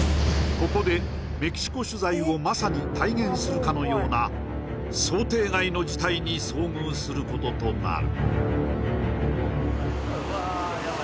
ここでメキシコ取材をまさに体現するかのような想定外の事態に遭遇することとなるわあヤバい